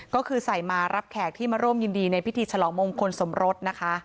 ก็คือใส่มารับแขกที่มาร่วมยินดีในพิธีฉลองมงคลสมรสนะคะ